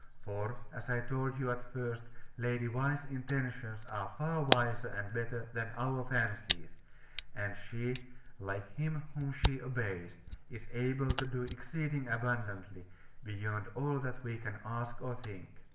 For, as I told you at first, Lady Why's intentions are far wiser and better than our fancies; and she like Him whom she obeys is able to do exceeding abundantly, beyond all that we can ask or think.